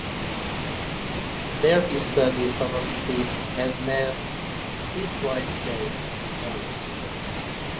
There he studied philosophy and met his wife Jane, a fellow student.